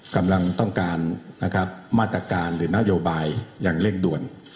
กำลังต้องการนะครับมาตรการหรือนโยบายอย่างเร่งด่วน